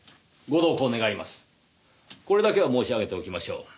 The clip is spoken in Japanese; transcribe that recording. これだけは申し上げておきましょう。